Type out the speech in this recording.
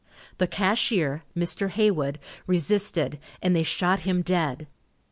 The cashier, Mr. Haywood, resisted, and they shot him dead.